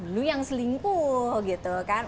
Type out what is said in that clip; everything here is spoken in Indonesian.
lu yang selingkuh gitu kan